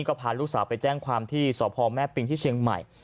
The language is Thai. ก็พาลูกสาวไปแจ้งความที่สพแม่ปิงที่เชียงใหม่